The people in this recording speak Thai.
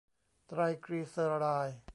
ไตรกรีเซอไรด์